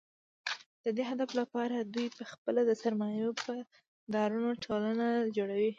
د دې هدف لپاره دوی په خپله د سرمایه دارانو ټولنه جوړوي